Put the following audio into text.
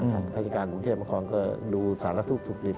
คุณราชการกรุงเทพมหานครก็ดูสารสู้ปศุกรีป